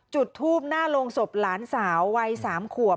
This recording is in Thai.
จุดทูบหน้าโรงศพหลานสาววัย๓ขวบ